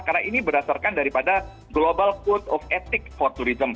karena ini berdasarkan daripada global code of ethics for tourism